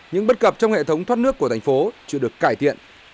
những bất cập trong hệ thống thoát nước của thành phố chưa được cải thiện